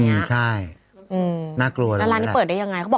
อือใช่น่ากลัวเลยแหละอือแล้วร้านนี้เปิดได้ยังไง